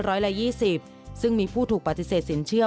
ร้อยละ๒๐ซึ่งมีผู้ถูกปฏิเสธสินเชื่อ